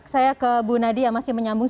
saya ke bu nadi yang masih menyambung